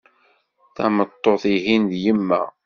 Tameṭṭut ihin d yemma.